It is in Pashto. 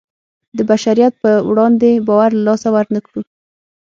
د بشریت په وړاندې باور له لاسه ورنکړو.